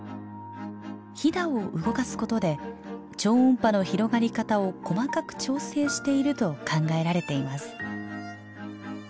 ヒダを動かすことで超音波の広がり方を細かく調整していると考えられています。